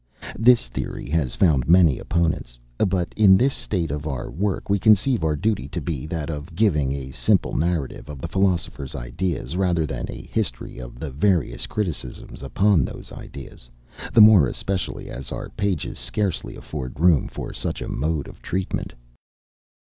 This theory has found many opponents; but in this state of our work we conceive our duty to be that of giving a simple narrative of the philosopher's ideas, rather than a history of the various criticisms upon those ideas, the more especially as our pages scarcely afford room for such a mode of treatment.